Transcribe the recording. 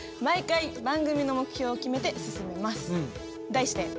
毎回番組の目標を決めて進めます。